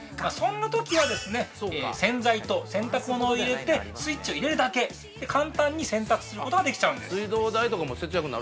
そんなときは、洗剤と洗濯物を入れて、スイッチを入れるだけで、簡単に洗濯することができちゃうんです。